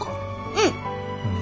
うん。